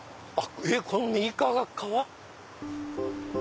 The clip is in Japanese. えっこの右側が川？